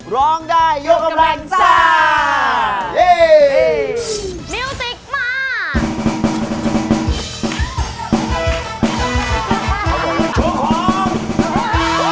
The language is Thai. ร้องได้ยกกำลังซ่านี่มิวติกมา